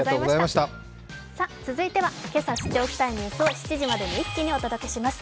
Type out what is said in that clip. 続いてはけさ知っておきたいニュースを７時まで一気にお届けします